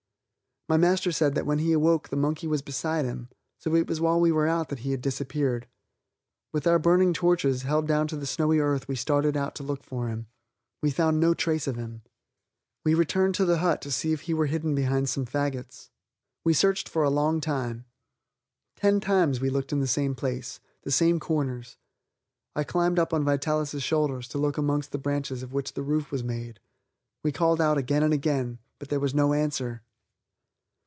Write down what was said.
My master said that when he awoke the monkey was beside him, so it was while we were out that he had disappeared. With our burning torches held down to the snowy earth we started out to look for him. We found no trace of him. We returned to the hut to see if he were hidden behind some faggots. We searched for a long time; ten times we looked in the same place, the same corners. I climbed up on Vitalis' shoulders to look amongst the branches of which the roof was made. We called again and again, but there was no answer.